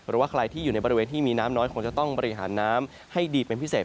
หรือว่าใครที่อยู่ในบริเวณที่มีน้ำน้อยคงจะต้องบริหารน้ำให้ดีเป็นพิเศษ